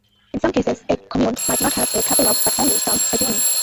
In some cases, a "comune" might not have a "capoluogo" but only some "frazioni".